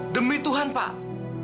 demi tuhan pak